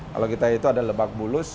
kalau kita itu ada lebak bulus